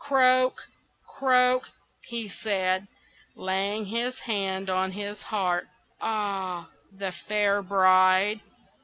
"Croak! croak!" he said, laying his hand on his heart. "Ah! the fair bride!